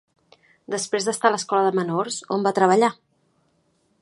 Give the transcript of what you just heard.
Després d'estar a l'escola de menors, on va treballar?